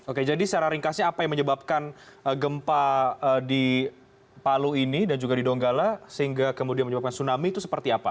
oke jadi secara ringkasnya apa yang menyebabkan gempa di palu ini dan juga di donggala sehingga kemudian menyebabkan tsunami itu seperti apa